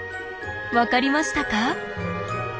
分かりましたか？